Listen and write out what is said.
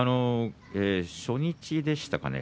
初日でしたかね